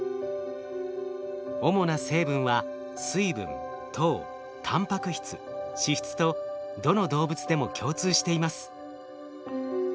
主な成分は水分糖タンパク質脂質とどの動物でも共通しています。